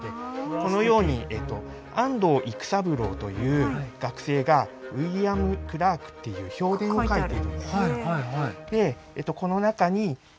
このように安東幾三郎という学生が「ウイリヤム、クラーク」っていう評伝を書いているんです。